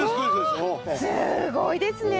すごいですね。